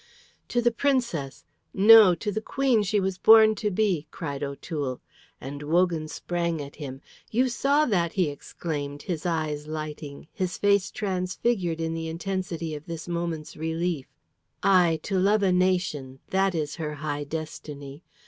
"To the Princess no, to the Queen she was born to be," cried O'Toole, and Wogan sprang at him. "You saw that," he exclaimed, his eyes lighting, his face transfigured in the intensity of this moment's relief. "Aye, to love a nation, that is her high destiny.